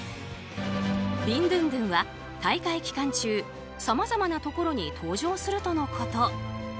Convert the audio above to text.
ビン・ドゥンドゥンは大会期間中、さまざまなところに登場するとのこと。